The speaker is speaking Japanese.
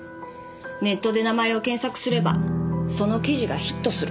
ネットで名前を検索すればその記事がヒットする。